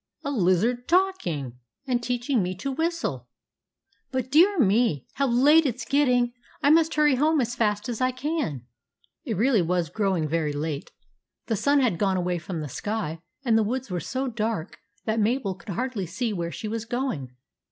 A lizard talk 8 THE ADVENTURES OF MABEL ing and teaching me to whistle ! But dear me ! how late it 's getting ! I must hurry home as fast as I can." It really was growing very late. The sun had gone away from the sky and the woods were so dark that Mabel could hardly see where she was going.